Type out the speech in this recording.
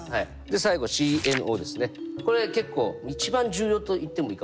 で最後ＣＮＯですね。